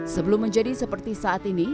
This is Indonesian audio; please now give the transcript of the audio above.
sebelum menjadi seperti saat ini